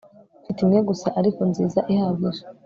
Mfite imwe gusa ariko nziza ihagije